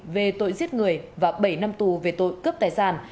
về tội giết người và bảy năm tù về tội cướp tài sản